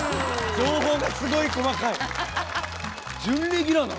情報がすごい細かい！